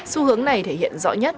xu hướng này thể hiện rõ nhất